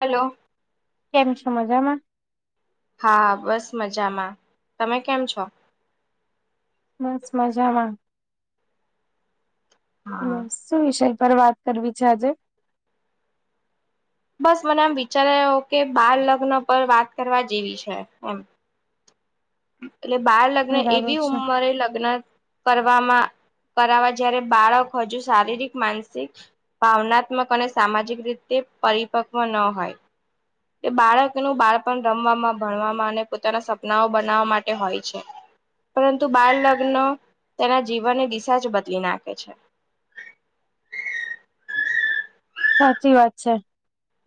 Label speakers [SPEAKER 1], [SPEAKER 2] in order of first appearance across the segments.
[SPEAKER 1] Hello.
[SPEAKER 2] કેમ છો મજામાં.
[SPEAKER 1] હા હા બસ મજામાં તમે કેમ છો.
[SPEAKER 2] બસ મજામાં
[SPEAKER 1] હા
[SPEAKER 2] બસ. શું વિષય પર વાત કરવી છે આજે.
[SPEAKER 1] બસ મને આમ વિચાર આવ્યો કે બાળ લગ્ન પર વાત કરવા જેવી છે એમ. એટલે બાળ લગ્ન
[SPEAKER 2] બરાબર
[SPEAKER 1] એવી
[SPEAKER 2] છે
[SPEAKER 1] ઉંમરે લગ્ન. કરવામાં કરાવા જયારે બાળક હજુ શારીરિક માનસિક. ભાવનાત્મક અને સામાજિક રીતે પરિપક્વ ન હોય. તે બાળકનું બાળપણ રમવામાં ભણવામાં અને પોતાના સપનાઓ બનાવવા માટે હોય છે. પરંતુ બાળ લગ્ન તેના જીવનની દિશા જ બદલી નાખે છે.
[SPEAKER 2] સાચી વાત છે.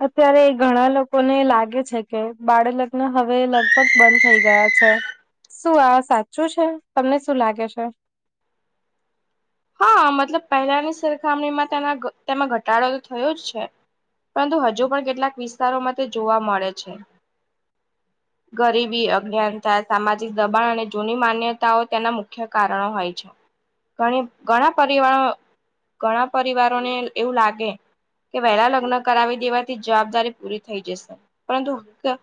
[SPEAKER 2] અત્યારે ઘણા લોકોને લાગે છે કે બાળ લગ્ન હવે. ગ બંધ થઈ ગયા છે શું આ સાચું છે તમને શું લાગે છે.
[SPEAKER 1] હા મતલબ પહેલાની સરખામણીમાં તેના તેમાં ઘટાડો તો થયો જ છે. પરંતુ હજુ પણ કેટલાક વિસ્તારોમાં તે જોવા મળે છે.
[SPEAKER 2] [inaudible]
[SPEAKER 1] ગરીબી અજ્ઞાનતા સામાજિક દબાણ અને જૂની માન્યતાઓ તેના મુખ્ય કારણો હોય છે. ઘણી ઘણા પરિવારો ઘણા પરિવારોને એવું લાગે. કે વહેલા લગ્ન કરાવી દેવાથી જવાબદારી પૂરી થઈ જશે. પરંતુ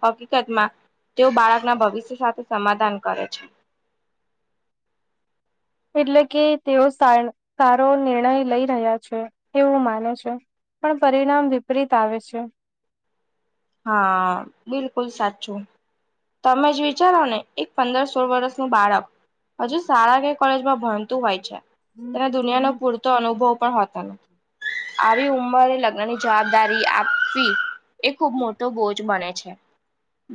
[SPEAKER 1] હકીકતમાં તેઓ બાળકના ભવિષ્ય સાથે સમાધાન કરે છે.
[SPEAKER 2] એટલે કે તેઓ સારો નિર્ણય લઈ રહ્યા છે એવું માને છે. પણ પરિણામ વિપરીત આવે છે.
[SPEAKER 1] હા બિલકુલ સાચું. તમે જ વિચારો ને એક પંદર સોળ વર્ષનું બાળક. હજુ શાળા કે કોલેજમાં ભણતું હોય છે.
[SPEAKER 2] હમ.
[SPEAKER 1] તેને દુનિયાનો પૂરતો અનુભવ પણ હોતો નથી. આવી ઉંમરે લગ્ન ની જવાબદારી આપવી. ખુબ મોટો બોજ બને છે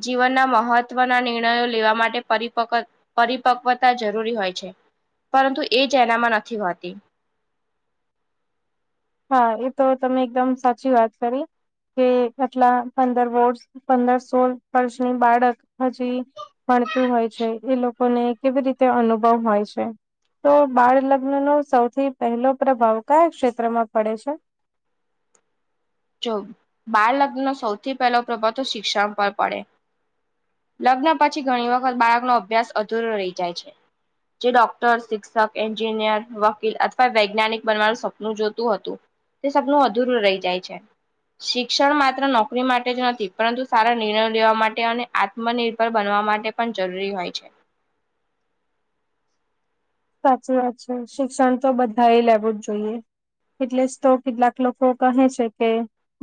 [SPEAKER 1] જીવનના મહત્વના નિર્ણયો લેવા માટે પરિપક્ પરિપક્વતા જરૂરી હોય છે પરંતુ એ જ એનામાં નથી હોતી
[SPEAKER 2] હા એ તો તમે એકદમ સાચી વાત કરી કે આટલા પંદર વર્ષ પંદર સોળ વર્ષની બાળક હજી ભણતું હોય છે એ લોકોને કેવી રીતે અનુભવ હોય છે તો બાળ લગ્ન નો સૌથી પહેલો પ્રભાવ કયા ક્ષેત્રમાં પડે છે
[SPEAKER 1] જો બાળ લગ્ન ન સૌથી પહેલો પ્રભાવ તો શિક્ષણ પર પડે લગ્ન પછી ઘણી વખત બાળકનો અભ્યાસ અધૂરો રહી જાય છે જે ડોક્ટર શિક્ષક એન્જિનિયર વકીલ અથવા વૈજ્ઞાનિક બનવાનું સપનું જોતું હતું તે સબનું અધૂરું રહી જાય છે શિક્ષણ માત્ર નોકરી માટે જ નથી પરંતુ સારા નિર્ણયો લેવા માટે અને આત્મનિર્ભર બનવા માટે પણ જરૂરી હોય છે
[SPEAKER 2] સાચી વાત છે શિક્ષણ તો બધા એ લેવું જ જોઈએ એટલે જ તો કેટલાક લોકો કહે છે કે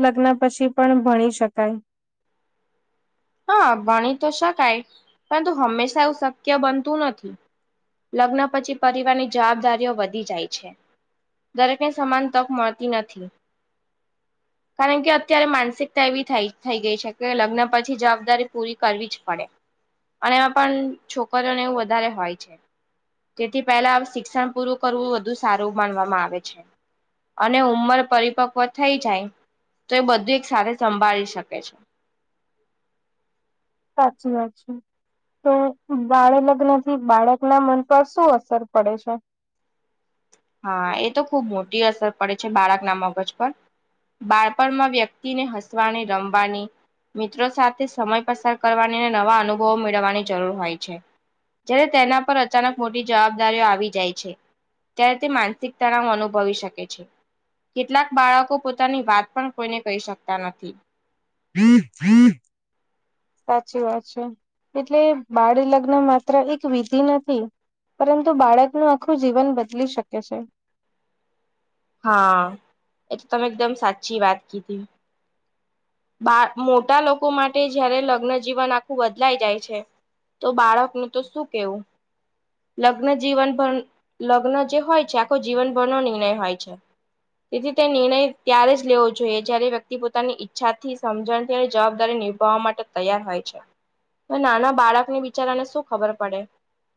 [SPEAKER 2] લગ્ન પછી પણ ભણી શકાય
[SPEAKER 1] હા ભણી તો શકાય પરંતુ હંમેશા એવું શક્ય બનતું નથી લગ્ન પછી પરિવારની જવાબદારીઓ વધી જાય છે દરેક ને સમાન તક મળતી નથી કારણ કે અત્યારે માનસિકતા એવી થઈ ગઈ છે કે લગ્ન પર અછી જવાબદારી પૂરી કરવી ફડે અને એમાં પણ છોકરીઓને એવું વધારે હોય છે તેથી પહેલા શિક્ષણ પૂરું કરવું વધુ સારું માનવામાં આવે છે અને ઉંમર પરિપક્વ થઈ જાય તો એ બધું એક સાથે સંભાળી શકે છે
[SPEAKER 2] સાચી વા છે તો બાળ લગ્ન થી બાળક ના મન પર શું અસર પડે છે
[SPEAKER 1] હા એ તો ખુબ મોટી અસર પડે છે બાળક ના મગજ પર બાળપણમાં વ્યક્તિને હસવાની રમવાની મિત્રો સાથે સમય પસાર કરવાની અને નવા અનુભવો મેળવવાની જરૂર હોય છે જયારે તેના પર અચાનક મોટી જવાબદારીઓ આવી જાય છે ત્યારે તે માનસિક તણાવ અનુભવી શકે છે કેટલાક બાળકો પોતાની વાત પણ કોઈને કહી શકતા નથી
[SPEAKER 2] [inaudible] સાચી વાત છે એટલે બાળ લગ્ન માત્ર એક વિધિ નથી પરંતુ બાળકનું આખું જીવન બદલી શકે છે
[SPEAKER 1] હા એ તો તમે એકદમ સાચી વાત કીધી બાળ મોટા લોકો માટે જયારે લગ્નજીવન આખું બદલાઈ જાય છે તો બાળકનું તો શું કેવું લગ્ન જીવનભર લગ્ન જે હોય છે આખો જીવનભરનો નિર્ણય હોય અચ્છા તેથી તે નિર્ણય ત્યારે જ લેવો જોઈએ જયારે વ્યક્તિ પોતાની ઈચ્છા થી સમજણથી અને જવાબદારી નિભાવવા માટે તૈયાર હોય છે તો નાના બાળકને બિચારાને શું ખબર પડે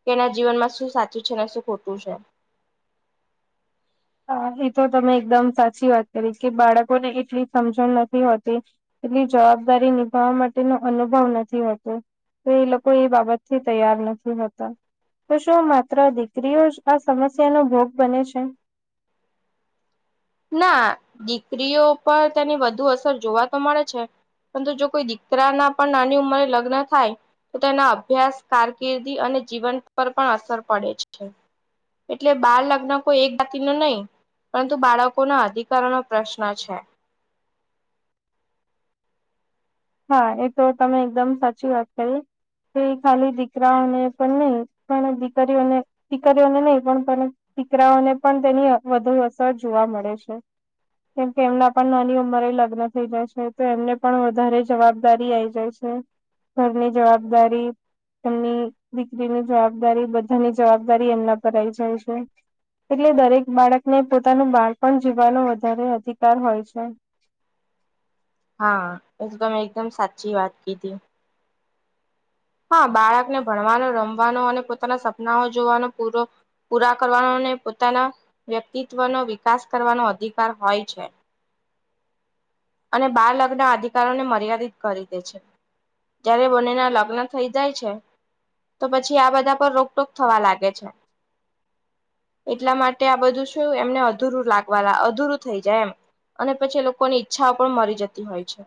[SPEAKER 1] કેના જીવનમાં શું સાચું છે અનેન શું ખોટું છે
[SPEAKER 2] હ એ તો તમે એકદમ સાચી વાત કરી કે બાળકોને એટલી સમજણ નથી હોતી એટલી જવાબદારી નિભાવવા માટેનો અનુભવ નથી હોતો તો એ લોકો એ બાબતથી તૈયાર નથી હોતા તો શું માત્ર દીકરીઓ જ આ સમસ્યા નો ભોગ બને છે
[SPEAKER 1] ના દીકરીઓ પર તેની વધુ અસર જોવા તો મળે છે પરંતુ જો કોઈ દીકરા ના પણ નાની ઉંમરે લગ્ન થાય તો તેના અભ્યાસ કારકિર્દી અને જીવન પર પણ અસર પડે છે એટલે બાળ લગ્ન કોઈ એક જાતિ ન નહી પરંતુ બાળકો લોકો ના અધિકાર નો પ્રશ્ન છે
[SPEAKER 2] હા એ તો તમે એકદમ સાચી વાત કહી એ ખાલી દીકરાઓને પણ નહી પણ દીકરીઓને દીકરીઓને નહી પણ દીકરાઓને પણ તેની વધુ અસર જોવા મળે છે કેમ કે એમના પણ નાની ઉંમરે લગ્ન થઈ જાય છે તો એમને પણ વધારે જવાબદારી આઈ જાય છે ઘરની જવાબદારી એમની દીકરીની જવાબદારી બધાની જવાબદારી એમના પર આવી જાય છે એટલે દરેક બાળકને પોતાનું બાળ પણ જીવવાનો વધારે અધિકાર હોય છે
[SPEAKER 1] હા એ તો મેં એકદમ સાચી વાત ક હતીી હા બાળકને ભણવાનો રમવાનો અને પોતાના સપનાઓ જોવાનો પૂરો પૂરા કરવાનો અને પોતાના વ્યક્તિત્વનો વિકાસ કરવાનો અધિકાર હોય છે અને બાળ લગ્ન અધિકારો ને મર્યાદિત કરી દે છે જયારે બંને ના લગ્ન થઇ જાય છે તો પછી આ બધા પર રોકટોક થવા લાગે છે એટલા માટે આ બધું શું એમને અધરું લાગવા અધૂરું થઈ જાય એમ અને પછી એ લોકોની ઈચ્છાઓ પણ મરી જતી હોય છે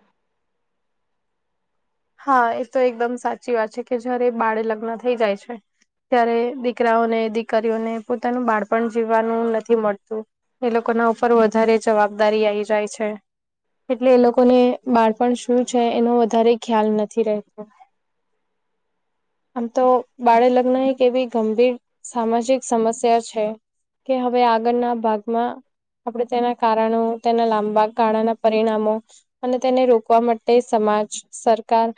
[SPEAKER 2] હા એ તો એકદમ સાચી વાત છે કે જયારે બાળે લગ્ન થઈ જાય છે ત્યારે દીકરાઓને દીકરીઓને પોતાનું બાળપણ જીવવાનું નથી મળતું એ લોકો ના ઉપર વધારે જવાબદારી આઈ જાય છે એટલે એ લોકોને બાળપણ શું છે એનો વધારે ખ્યાલ નથી રહેતો આમ તો બાળ લગ્ન એક એવી ગંભીર સામાજિક સમસ્યા છે કે હવે આગળના ભાગમાં આપણે તેના કારણો તેના લાંબા ગાળાના પરિણામો અને તેને રોકવા માટે સમાજ સરકાર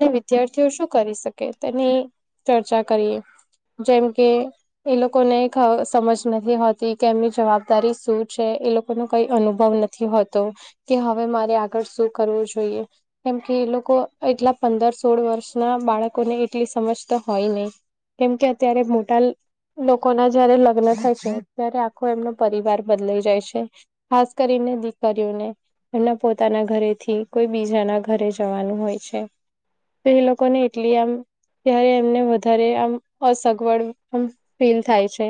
[SPEAKER 2] અને વિદ્યાર્થીઓ શું કરી શકે તેની ચર્ચા કરીએ જેમ કે એ લોકોને સમજ નથી હોતી કે એમની જવાબદારી શું છે એ લોકો ન કઈ અનુભવ નથી હતો કે હવે મારે આગળ શું કરવું જોઈએ કેમ કે એ લોકો એટલા પંદર સોળ વર્ષ ના બાળકો ને એટલી સમજ તો હોય નહી કેમ કે અત્યારે મોટા લોકો ના જયારે લગ્ન થાય છે ત્યારે આખો એમનો પરિવાર બદલાઈ જાય છે ખાસ કરીને દીકરીઓને એમના પોતાના ઘરે થી કોઈ બીજાના ઘરે જવાનું હોય છે તો એ લોકો ને એટલી આમ ત્યારે એમને વધારે આમ અસગવડ આમ ફીલ થાય છે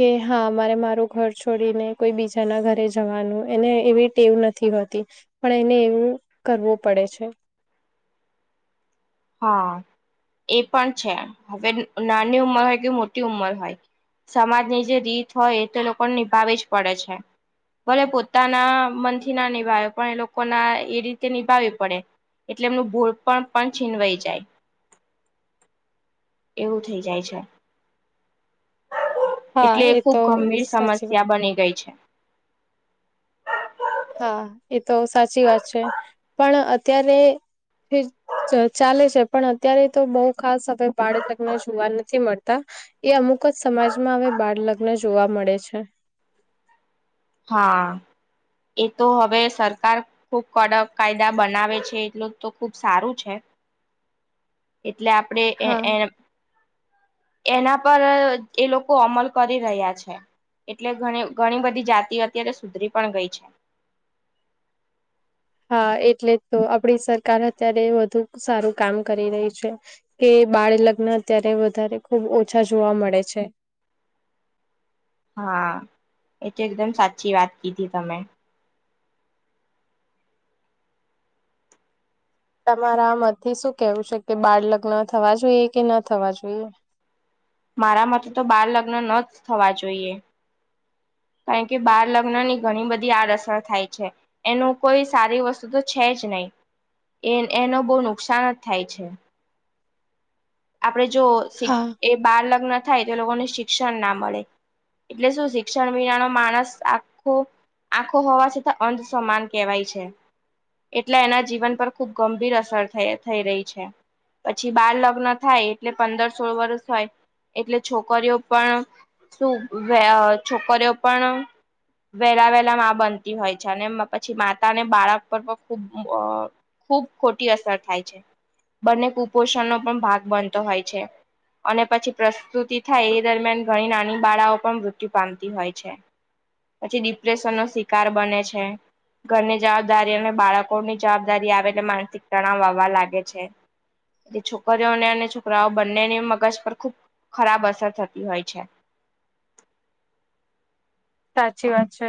[SPEAKER 2] કે હા મારે મારું ઘર છોડીને કોઈ બીજાના ઘરે જવાનું એને એવી ટેવ નથી હોતી પણ એને એવું કરવું પડે છે
[SPEAKER 1] હા એ પણ છે હવે નાની ઉંમર હોય કે મોટી ઉંમર હોય સમાજની જે રીત હોય એ તો લોકોને નિભાવી જ પડે છે ભલે પોતાના મનથી ના નિભયો પણ એ લોકો ના એ રીતે નિભાવી પડે એટલે એમનું ભૂલ પણ પણ છીનવાઈ જાય એવું થઇ જાય છે
[SPEAKER 2] હા
[SPEAKER 1] એટલે એ ખુબ
[SPEAKER 2] તો
[SPEAKER 1] ગંભીર
[SPEAKER 2] સાચી વાત
[SPEAKER 1] સમસ્યા બની ગઈ છે
[SPEAKER 2] હા એ તો સાચી વાત છે પણ અત્યારે ચાલે છે પણ અત્યારે તો બહુ ખાસ હવે ભડતકને જોવા નથી મળતા એ અમુક જ સમાજમાં હવે બાળ લગ્ન જોવા મળે છે
[SPEAKER 1] હા એ તો હવે સરકાર ખુબ કડક કાયદા બનાવે છે એટલું તો ખુબ સારું છે
[SPEAKER 2] [inaudible]
[SPEAKER 1] એટલે આપડે એ
[SPEAKER 2] હા
[SPEAKER 1] એના પર એ લોકો અમલ કરી રહ્યા છે એટલે ઘણી ઘણી બધી જાતિ અત્યારે સુધરી પણ ગઈ છે
[SPEAKER 2] હા એટલે જ તો આપડી સરકાર અત્યારે વધુ સારું કામ કરી રહી છે કે બાળ લગ્ન અત્યારે વધારે ખુબ ઓછા જોવા મળે છે
[SPEAKER 1] હા એ તો એકદમ સાચી વાત કીધી તમે
[SPEAKER 2] તમારા મમાંથી શું કેવું છે કે બાળ લગ્ન થવા જોઈએ કે ન થવા જોઈએ
[SPEAKER 1] મારા મથી તો બાર લગ્ન ન થવા જોઈએ કારણ કે બાર લગ્ન ની ઘણી બધી આડઅસર થાય છે એનું કોઈ સારી વસ્તુ તો છે જ નહી એ એનો બહુ નુકસાન જ થાય છે આપડે જો
[SPEAKER 2] હા.
[SPEAKER 1] એ બાર લગ્ન થાય તો લોકોને શિક્ષણ ના મળે એટલે શું શિક્ષણ શ્ષણ મહિના નો માણસ આખો આખો હોવા છતાં અંધ સમાન કહેવાય છે એટલે એના જીવન પર ખુબ ગંભીર અસર થ થઈ રહી છે પછી બાર લગ્ન થાય એટલે પંદર સોળ વર્ષ હોય એટલે છોકરીઓ પણ શું છોકરીઓ પણ વેલા વેલામાં બનતી હોય છે અને પછી માતાને બાળક પર પણ ખૂબ ખુબ ખોટી અસર થાય છે બંને કુપોષણનોો પણ ભાગ બનતો હોય છે અને પછી પ્રસ્તુતિ થાય એ દરમિયાન ઘણી નાની બાળાઓ પણ મૃત્યુ પામ હોય છે પછી ડિપ્રેશન નો શિકાર બને છે ઘરની જવાબદારી અને બાળકોની જવાબદારી આવે એટલે માનસિક તણાવ વાવા લાગે છે એ છોકરીઓને અને છોકરાઓ બંનેની મગજ પર ખુબ ખરાબ અસર થતી હોય છે
[SPEAKER 2] સાચી વાત છે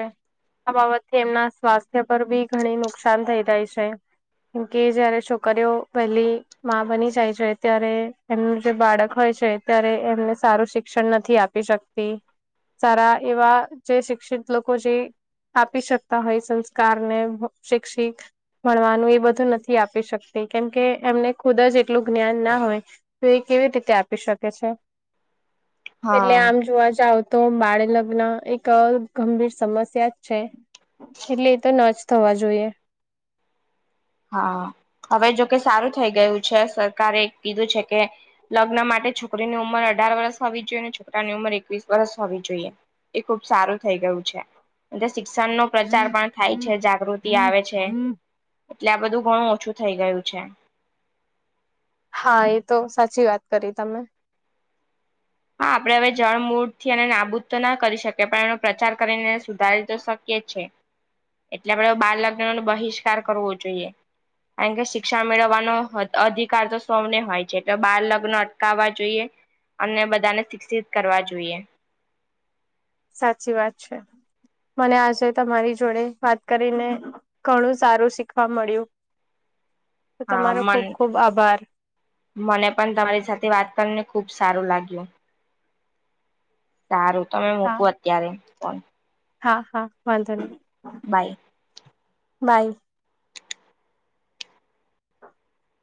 [SPEAKER 2] આ બાબતે એમના સ્વાસ્થ્ય પર બી ઘણી નુકસાન થઈ જાય છે કે જયારે છોકરીઓ પહેલી- માં બની જાય છે ત્યારે એમનું જે બાળક હોય છે ત્યારે એમને સારું શિક્ષણ નથી આપી શક્તી સાર એવા જે શિક્ષિત લોકો જે આપી શકતા હોય સંસ્કાર ને શિક્ષિત ભણવાનું એ બધું નથી આપી શકતી કેમકે એમને ખુદ જ એટલું જ્ઞાન ના હોય તો એ કેવી રીતે આપી શકે છે એટલે
[SPEAKER 1] હા
[SPEAKER 2] આમ જોવા જાવ તો બાળ લગ્ન એક ગંભીર સમસ્યા જ છે એટલે એ તો ન જ થવા જોઈએ
[SPEAKER 1] હા હવે જોકે સારું થઈ ગયું છે સરકારે કીધું છે કે લગ્ન માટે છોકરીની ઉંમર અઢાર વર્ષ હોવી જોઈએ અને છોકરાની ઉંમર એકવીસ વર્ષ હોવી જોઈએ એ ખુબ સારું થઈ ગયું છે એ શિક્ષણનો પ્રચાર પણ થાય છે જાગૃતિ આવે છે એટલે આ બધું ઘણું ઓછું થઇ ગયું છે.
[SPEAKER 2] હા એ તો સાચી વાત કરી તમે
[SPEAKER 1] હા આપડણે હવે જળ મૂળ થી એને નાબૂદ તો ના કરી શકીએ પણ એનો પ્રચાર કરીને સુધારી તો શકિ યે છે એટલે આપણેે બાળ લગ્નો બહિષ્કાર કરવો જોઈએ કારણ કે શિક્ષણ મેળવવાનો અધિકાર તો સૌને હોય છે એટલે બાાર લગ્ન અટકાવવા જોઈએ અને બધાને શિક્ષિત કરવા જોઈએ
[SPEAKER 2] સાચી વાત છે. મને આજે તમારી જોડે વાત કરીને ઘણું સારું શીખવા મળ્યું [inaudible]
[SPEAKER 1] હા મન
[SPEAKER 2] ખુબ ખુબ આભાર
[SPEAKER 1] મને પણ તમારી સાથે વાત કરીને ખુબ સારું લાગ્યું સારું તમે
[SPEAKER 2] હા
[SPEAKER 1] મૂકું અત્યારે ફન
[SPEAKER 2] હા હા વાંધો નહી
[SPEAKER 1] બાય
[SPEAKER 2] બાય